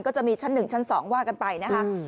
ก็จะมีชั้น๑ชั้น๒ว่ากันไปนะคะ